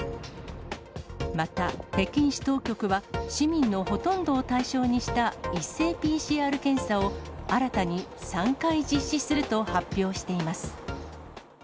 また、北京市当局は、市民のほとんどを対象にした一斉ＰＣＲ検査を、新たに３回実施すると発表しています。